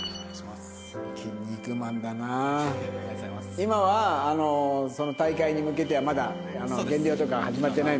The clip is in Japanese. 今は大会に向けてはまだ減量とかは始まってないのね？